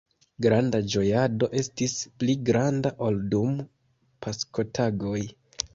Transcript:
Granda ĝojado estis, pli granda ol dum Paskotagoj.